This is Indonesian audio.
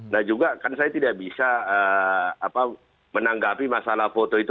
nah juga kan saya tidak bisa menanggapi masalah foto itu